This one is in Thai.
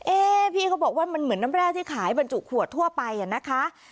พี่เขาบอกว่ามันเหมือนน้ำแร่ที่ขายบรรจุขวดทั่วไปนะคะ